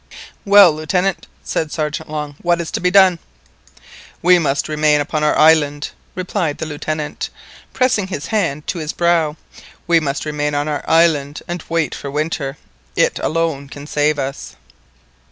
"Well, Lieutenant," said Sergeant Long, "what is to be done?'" "We must remain upon our island," replied the Lieutenant, pressing his hand to his brow; "we must remain on our island and wait for winter; it alone can save us."